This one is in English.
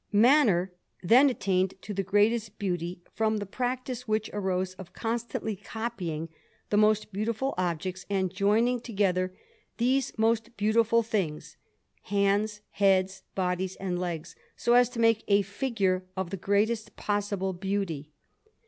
Manner then attained to the greatest beauty from the practice which arose of constantly copying the most beautiful objects, and joining together these most beautiful things, hands, heads, bodies, and legs, so as to make a figure of the greatest possible beauty.